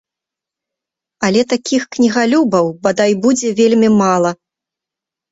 Але такіх кнігалюбаў, бадай, будзе вельмі мала.